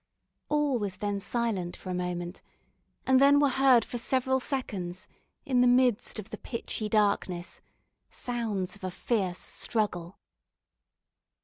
All was then silent for a moment, and then were heard for several seconds, in the midst of the pitchy darkness, sounds of a fierce struggle.